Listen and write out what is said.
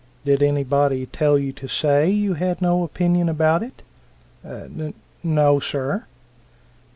Did anybody tell you to say you had no opinion about it?" "N n o, sir."